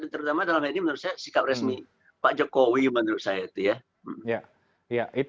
terutama dalam hal ini menurut saya sikap resmi pak jokowi menurut saya itu ya